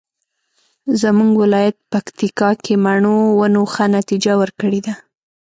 زمونږ ولایت پکتیکا کې مڼو ونو ښه نتیجه ورکړې ده